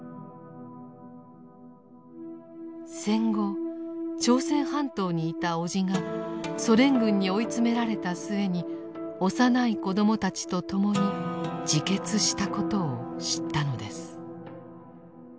戦後朝鮮半島にいた叔父がソ連軍に追い詰められた末に幼い子供たちと共に自決したことを知ったのです。